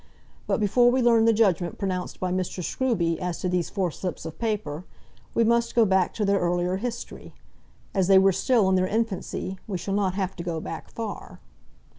But before we learn the judgement pronounced by Mr. Scruby as to these four slips of paper, we must go back to their earlier history. As they were still in their infancy, we shall not have to go back far.